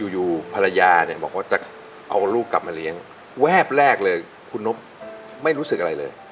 อยู่ภรรยาเนี่ยบอกว่าจะเอาลูกกลับมาเลี้ยงแวบแรกเลยคุณนบไม่รู้สึกอะไรเลย